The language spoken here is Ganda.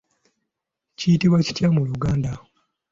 Kiyitibwa kitya mu Luganda?